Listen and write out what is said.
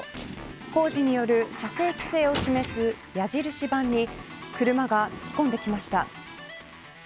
工事による車線規制を示す矢印板に車が突っ込んできました。